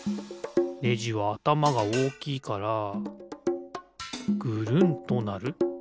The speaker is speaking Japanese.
ねじはあたまがおおきいからぐるんとなる。